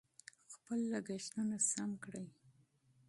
خپل لګښتونه سم کړئ.